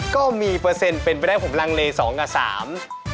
ก็มีเปอร์เซ็นต์เป็นไปได้ผมลังเลสองกับสาม